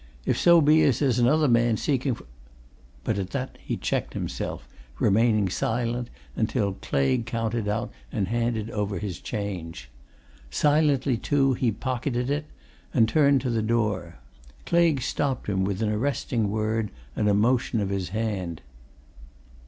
"If so be as there's another man seeking for " But at that he checked himself, remaining silent until Claigue counted out and handed over his change; silently, too, he pocketed it, and turned to the door. Claigue stopped him with an arresting word and motion of his hand.